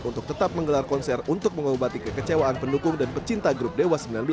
untuk tetap menggelar konser untuk mengobati kekecewaan pendukung dan pecinta grup dewa sembilan belas